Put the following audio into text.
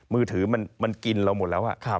มือถือมันกินเราหมดแล้ว